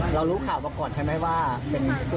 แล้วเข้าไปทำยังไงในซอยนี้